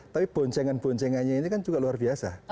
tapi bonceng an boncengannya ini kan juga luar biasa